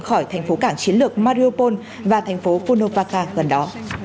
khỏi thành phố cảng chiến lược mariupol và thành phố vunovaka gần đó